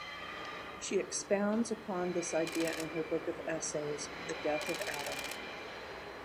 She expounds upon this idea in her book of essays, The Death of Adam.